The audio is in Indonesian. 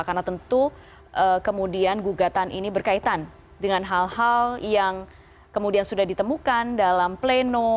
karena tentu kemudian gugatan ini berkaitan dengan hal hal yang kemudian sudah ditemukan dalam pleno